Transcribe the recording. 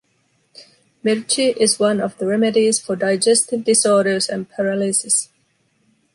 Mirchi is one of the remedies for digestive disorders and paralysis.